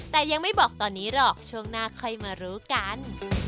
แต่ยังไม่บอกตอนนี้หรอกช่วงหน้าค่อยมารู้กัน